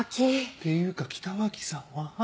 っていうか北脇さんは？